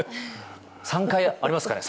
３回ありますかね？